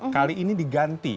kali ini diganti